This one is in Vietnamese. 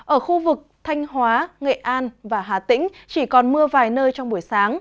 ở khu vực thanh hóa nghệ an và hà tĩnh chỉ còn mưa vài nơi trong buổi sáng